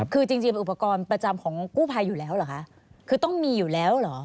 คือจริงเป็นอุปกรณ์ประจำของกู้ภัยอยู่แล้วเหรอคะคือต้องมีอยู่แล้วเหรอ